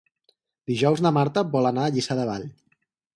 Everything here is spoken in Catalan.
Dijous na Marta vol anar a Lliçà de Vall.